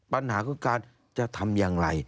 ปัญหาคือการจะทำอย่างไร